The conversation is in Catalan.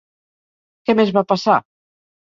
Què més va passar?